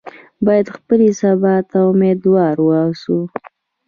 باید خپلې سبا ته امیدواره واوسو.